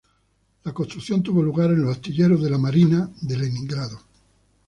La construcción tuvo lugar en los astilleros del Almirantazgo de Leningrado.